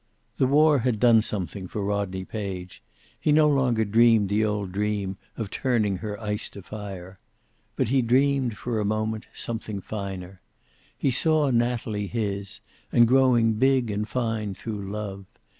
The war had done something for Rodney Page. He no longer dreamed the old dream, of turning her ice to fire. But he dreamed, for a moment, something finer. He saw Natalie his, and growing big and fine through love.